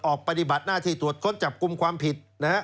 ออกปฏิบัติหน้าที่ตรวจคนจับกลุ่มความผิด